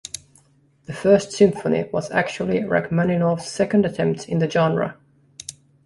The First Symphony was actually Rachmaninoff's second attempt in the genre.